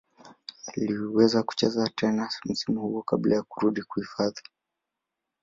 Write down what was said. Aliweza kucheza tena msimu huo kabla ya kurudi hifadhi.